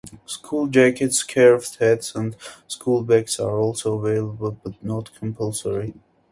School jackets, scarves, hats and schoolbags are also available, but not compulsory.